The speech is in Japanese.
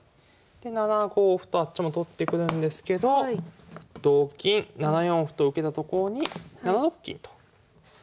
で７五歩とあっちも取ってくるんですけど同金７四歩と受けたところに７六金と引きます。